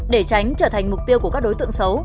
để tránh trở thành mục tiêu của các đối tượng xấu